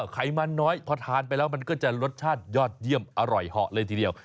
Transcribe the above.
ไขมันน้อยพอทานไปแล้วมันก็จะรสชาติยอดเยี่ยมอร่อยเหาะเลยทีเดียว